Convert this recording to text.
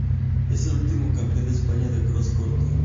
Es el último campeón de España de cross corto.